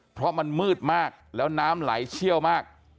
เพราะมันมืดมากแล้วน้ำไหลเชี่ยวมาก